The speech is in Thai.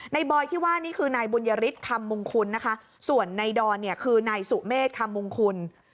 บอยที่ว่านี่คือนายบุญยฤทธิ์คำมงคุณนะคะส่วนในดอนเนี่ยคือนายสุเมฆคำมงคุณ